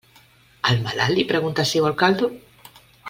Al malalt li preguntes si vol caldo?